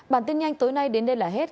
bản tin nhanh tối nay đến đây là hết